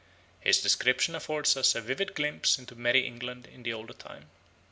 His description affords us a vivid glimpse of merry England in the olden time.